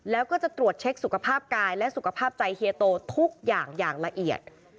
แล้วก็จะตรวจเช็คสุขภาพกายและสุขภาพใจเฮียโตทุกอย่างอย่างละเอียด